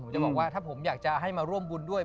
ผมจะบอกว่าถ้าผมอยากจะให้มาร่วมบุญด้วย